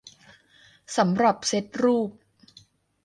สำหรับเซ็ตรูป